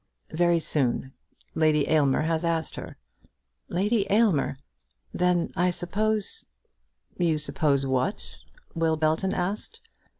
"Very soon. Lady Aylmer has asked her." "Lady Aylmer! Then I suppose " "You suppose what?" Will Belton asked.